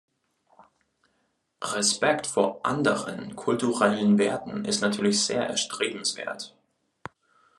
Respekt vor anderen kulturellen Werten ist natürlich sehr erstrebenswert.